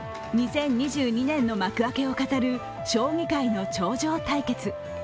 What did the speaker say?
２０２２年の幕開けを飾る将棋界の頂上対決。